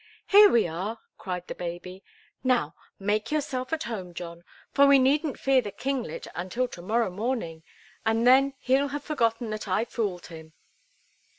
"Here we are!" cried the Baby. "Now, make yourself at home, John, for we needn't fear the kinglet until to morrow morning, and then he'll have forgotten that I fooled him."